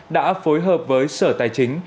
đã phối hợp với sở tài chính